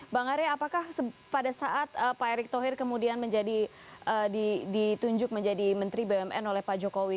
bang arya apakah pada saat pak erick thohir kemudian menjadi ditunjuk menjadi menteri bumn oleh pak jokowi